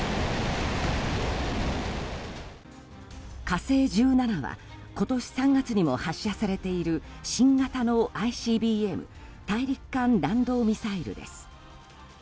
「火星１７」は今年３月にも発射されている新型のＩＣＢＭ・大陸間弾道ミサイルです。